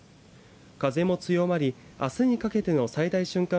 風も強まりあすにかけての最大瞬間